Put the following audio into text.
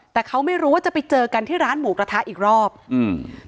แต่เขาไม่รู้ว่าจะไปเจอกันที่ร้านหมูกระทะอีกรอบอืม